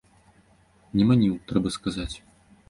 Не маніў, трэба сказаць.